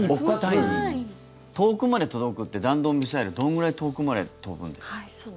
遠くまで届くって弾道ミサイルどんぐらい遠くまで飛ぶんですか？